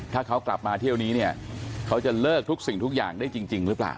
ถ้าเขากลับมาเที่ยวนี้เนี่ยเขาจะเลิกทุกสิ่งทุกอย่างได้จริงหรือเปล่า